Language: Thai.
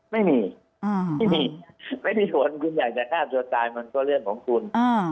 ไม่มีไม่มีผลคุณอยากจะฆ่าตัวตายมันก็เรื่องของคุณ